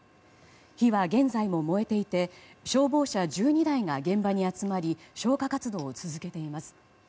火は現在も燃えていて消防車１２台が現場に集まり消火活動を続けています。